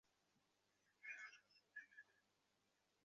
আমরা পরিবারের কারো গায়ে হাত তুলি না।